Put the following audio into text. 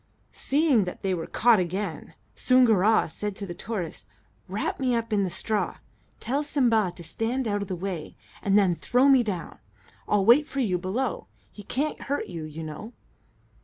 Seeing that they were caught again, Soongoora said to the tortoise: "Wrap me up in the straw, tell Simba to stand out of the way, and then throw me down. I'll wait for you below. He can't hurt you, you know."